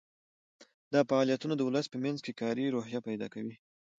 دا فعالیتونه د ولس په منځ کې کاري روحیه پیدا کوي.